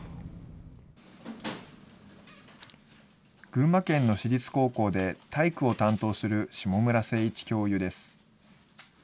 群馬県の私立高校で体育を担当する霜村誠一教諭です。